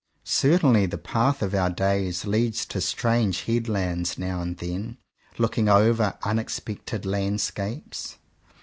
Certainly the path of our days leads to strange headlands now and then, looking over unexpected landscapes.